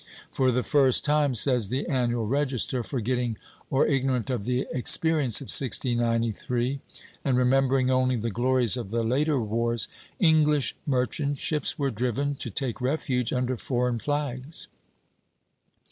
"For the first time," says the Annual Register, forgetting or ignorant of the experience of 1693, and remembering only the glories of the later wars, "English merchant ships were driven to take refuge under foreign flags."